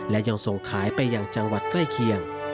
และยังส่งขายไปอย่างจังหวัดใกล้เคียง